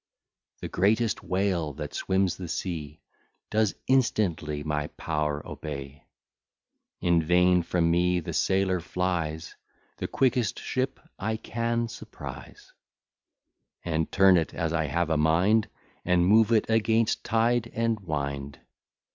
The greatest whale that swims the sea Does instantly my power obey. In vain from me the sailor flies, The quickest ship I can surprise, And turn it as I have a mind, And move it against tide and wind.